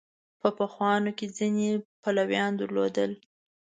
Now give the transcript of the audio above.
په پخوانو کې ځینې پلویان درلودل.